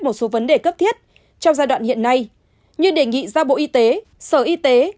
một số vấn đề cấp thiết trong giai đoạn hiện nay như đề nghị ra bộ y tế sở y tế